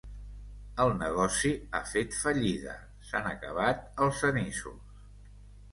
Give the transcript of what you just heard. El negoci ha fet fallida. S'han acabat els anissos!